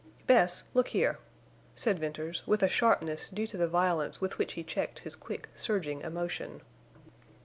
"Bess—look here," said Venters, with a sharpness due to the violence with which he checked his quick, surging emotion.